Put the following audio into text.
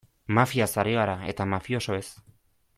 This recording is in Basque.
Mafiaz ari gara, eta mafiosoez.